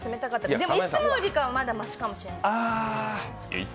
でもいつもよりかは、まだマシかもしれない。